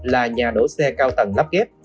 là nhà đổ xe cao tầng lắp ghép